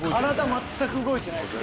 全く動いてないです